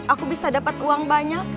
aku bisa dapat uang banyak